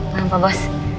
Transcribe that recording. maaf pak bos